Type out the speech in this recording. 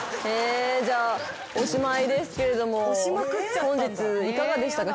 じゃあおしまいですけれども本日いかがでしたか？